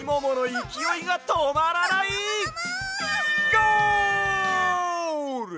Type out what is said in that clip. ゴール！